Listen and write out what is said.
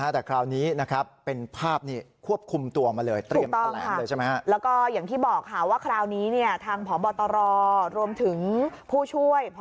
แต่คราวนี้เป็นภาพควบคุมตัวมาเลย